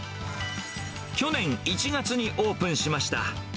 去年１月にオープンしました。